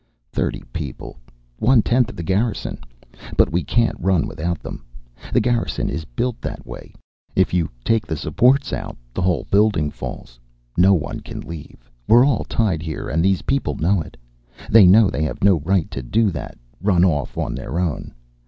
"Thirty people, one tenth of the Garrison. But we can't run without them. The Garrison is built that way. If you take the supports out the whole building falls. No one can leave. We're all tied here, and these people know it. They know they have no right to do that, run off on their own.